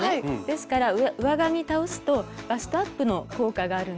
ですから上側に倒すとバストアップの効果があるんです。